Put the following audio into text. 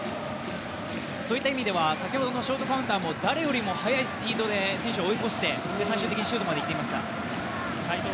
そういった意味では先ほどのショートカウンターでも誰よりも速いスピードで選手を追い越して最終的にシュートまでいっていました。